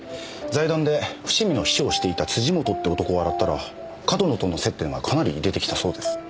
財団で伏見の秘書をしていた辻本って男を洗ったら上遠野との接点がかなり出てきたそうです。